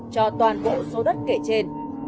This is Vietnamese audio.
cho toàn bộ số đất kể trên